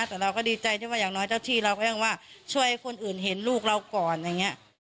แต่เราก็ดีใจที่ว่าอย่างน้อยเจ้าที่เราก็ยังว่าช่วยให้คนอื่นเห็นลูกเราก่อนอย่างนี้